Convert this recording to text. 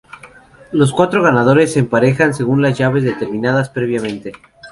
Los cuatro ganadores se emparejan según las llaves determinadas previamente.